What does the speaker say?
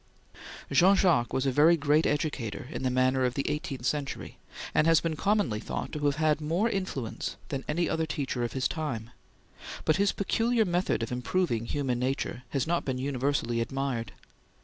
'" Jean Jacques was a very great educator in the manner of the eighteenth century, and has been commonly thought to have had more influence than any other teacher of his time; but his peculiar method of improving human nature has not been universally admired.